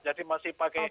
jadi masih pakai